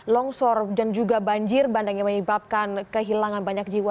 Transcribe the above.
longsor dan juga banjir bandang yang menyebabkan kehilangan banyak jiwa